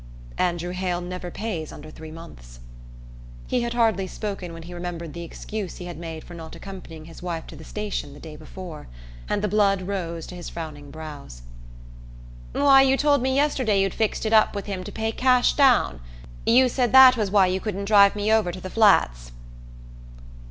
"Andrew Hale never pays under three months." He had hardly spoken when he remembered the excuse he had made for not accompanying his wife to the station the day before; and the blood rose to his frowning brows. "Why, you told me yesterday you'd fixed it up with him to pay cash down. You said that was why you couldn't drive me over to the Flats."